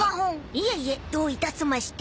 いえいえどういたスマして。